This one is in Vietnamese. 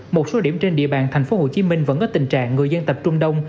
một số điểm trên địa bàn thành phố hồ chí minh vẫn ở tình trạng người dân tập trung đông